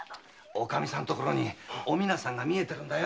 おかみさんのところにおみなさんが見えてんだよ。